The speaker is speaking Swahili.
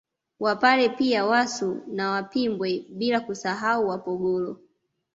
Wapare pia Wasu na Wapimbwe bila kusahau Wapogolo